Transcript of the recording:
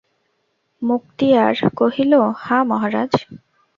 মুক্তিয়ার কহিল, হাঁ মহারাজ।